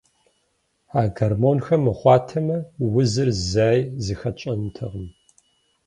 А гормонхэр мыхъуатэмэ, узыр зэи зыхэтщӏэнутэкъым.